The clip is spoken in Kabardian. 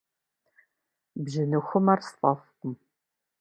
Бжьыныхумэр сфӏэфӏкъым.